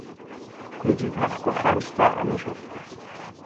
Ҳҩыџьагь ҳахқәа хан шьҭа анышә ахь.